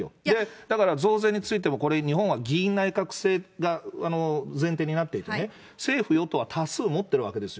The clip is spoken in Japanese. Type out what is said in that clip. だから、増税についてもこれ、日本は議院内閣制が前提になっててね、政府・与党は多数を持っているわけですよ。